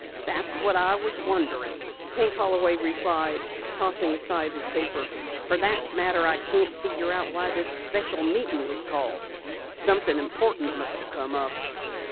"That's what I was wondering," Hank Holloway replied, tossing aside his paper. "For that matter, I can't figure out why this special meeting was called. Something important must have come up."